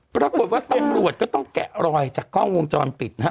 ปรากฏว่าตำรวจก็ต้องแกะรอยจากกล้องวงจรปิดนะฮะ